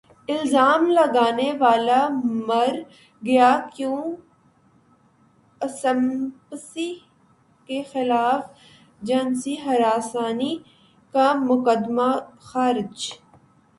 الزام لگانے والا مر گیا کیون اسپیسی کے خلاف جنسی ہراسانی کا مقدمہ خارج